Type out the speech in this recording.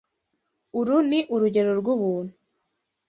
Uru ni urugero rwubuntu.